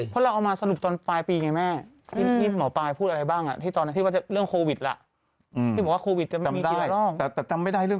เขาไปสัมภาษณ์กับช่อง๘เลย